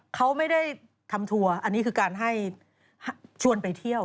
เขาไม่ได้ทำทัวร์อันนี้คือการให้ชวนไปเที่ยว